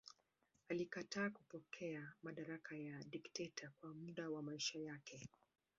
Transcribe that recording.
Alikataa kupokea madaraka ya dikteta kwa muda wa maisha yake.